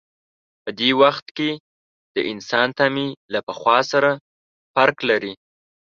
په دې وخت کې د انسان تمې له پخوا سره توپیر لري.